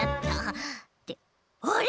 ってあれ！？